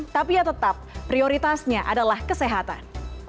tapi ya tetap prioritasnya adalah kesehatan